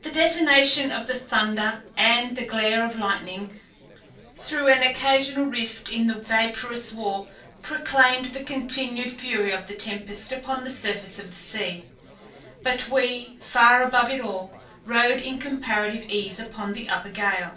The detonation of the thunder and the glare of lightning through an occasional rift in the vaporous wall proclaimed the continued fury of the tempest upon the surface of the sea; but we, far above it all, rode in comparative ease upon the upper gale.